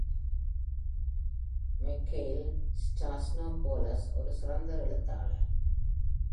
Michail Stasinopoulos ஒரு சிறந்த எழுத்தாளர்.